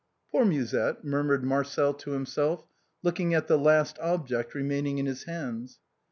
" Poor Musette !" murmured Marcel to himself, looking at the last object remaining in his hands.